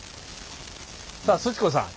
さあすち子さん。